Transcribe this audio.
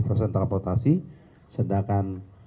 perusahaan transportasi sedangkan